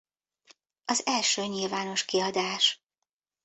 Az első nyilvános kiadás.